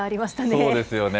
そうですよね。